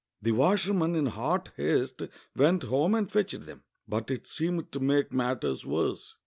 The washerman in hot haste went home Tind fetched them. But it seemed to make matters worse.